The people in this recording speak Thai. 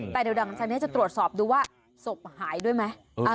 แต่เดี๋ยวหลังจากนี้จะตรวจสอบดูว่าศพหายด้วยไหม